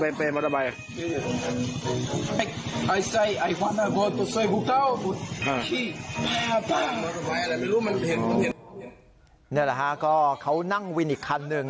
เนี่ยแหละฮะก็เขานั่งวินอีกคัน